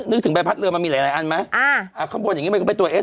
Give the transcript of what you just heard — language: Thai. ถึงใบพัดเรือมันมีหลายหลายอันไหมอ่าอ่าข้างบนอย่างงีมันก็เป็นตัวเอส